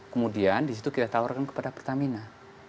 kemudian di situ kita tawarkan kepada pertamina